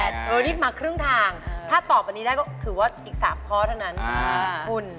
นี่มาครึ่งทางถ้าตอบอันนี้ได้ก็ถือว่าอีก๓ข้อเท่านั้นคุณ